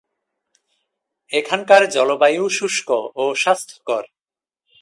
এখানকার জলবায়ু শুষ্ক ও স্বাস্থ্যকর।